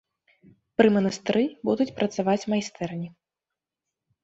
Пры манастыры будуць працаваць майстэрні.